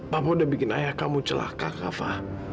papa udah bikin ayah kamu celaka kafa